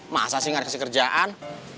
masa sih gak ada kasih kerjaan